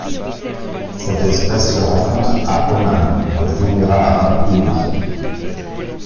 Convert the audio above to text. Cette espèce se rencontre à Oman dans les Émirats arabes unis.